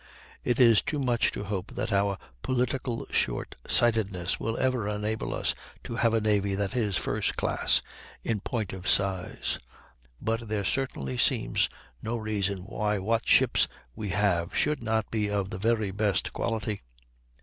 It is too much to hope that our political shortsightedness will ever enable us to have a navy that is first class in point of size; but there certainly seems no reason why what ships we have should not be of the very best quality.